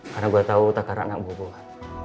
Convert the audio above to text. karena gue tau takara anak buah buah